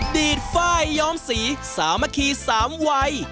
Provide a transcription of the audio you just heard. ดีดฝ้ายย้อมสีสามคีสามวัย